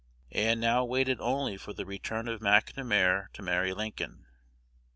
Ann now waited only for the return of McNamar to marry Lincoln.